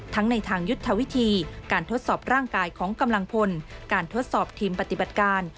ทั้งในทางยุทธวิธีการทดสอบร่างกายของกำลังพลการทดสอบทีมปฏิบัติการ